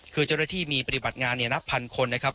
คือเจ้าหน้าที่มีปฏิบัติงานนับพันคนนะครับ